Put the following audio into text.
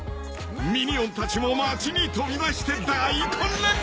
［ミニオンたちも街に飛び出して大混乱に！］